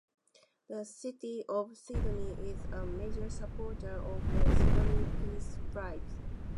The City of Sydney is a major supporter of the Sydney Peace Prize.